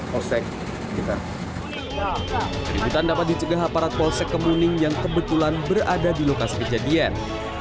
polsek keributan dapat dicegah aparat polsek kemuning yang kebetulan berada di lokasi kejadian